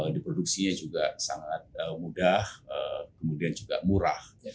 diproduksinya juga sangat mudah kemudian juga murah